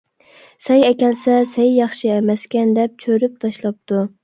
سەي ئەكەلسە سەي ياخشى ئەمەسكەن دەپ چۆرۈپ تاشلاپتۇ.